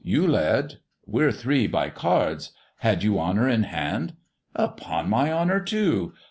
you led we're three by cards had you Honour in hand?" "Upon my honour, two."